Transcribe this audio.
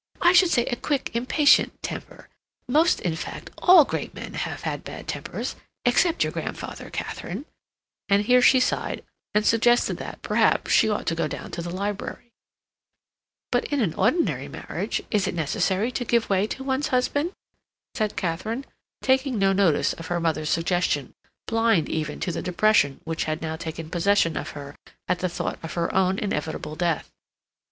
"I should say a quick, impatient temper. Most, in fact all great men have had bad tempers—except your grandfather, Katharine," and here she sighed, and suggested that, perhaps, she ought to go down to the library. "But in the ordinary marriage, is it necessary to give way to one's husband?" said Katharine, taking no notice of her mother's suggestion, blind even to the depression which had now taken possession of her at the thought of her own inevitable death.